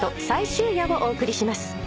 最終夜をお送りします。